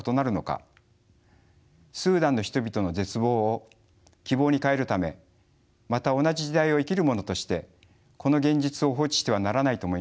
スーダンの人々の絶望を希望に変えるためまた同じ時代を生きる者としてこの現実を放置してはならないと思います。